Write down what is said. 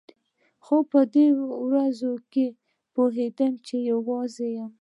خو په دې ورځو کښې پوهېدم چې يوازې يم.